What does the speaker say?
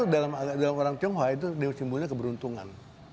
dalam orang tionghoa itu simbolnya keberuntungan